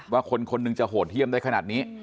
ว่าคนคนหนึ่งจะโหดเยี่ยมได้ขนาดนี้